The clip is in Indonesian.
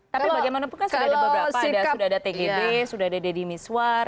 tapi bagaimanapun kan sudah ada beberapa sudah ada tgb sudah ada deddy miswar